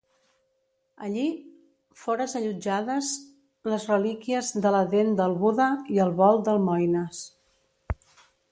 Allí fores allotjades les relíquies de la Dent del Buda i el Bol d'almoines.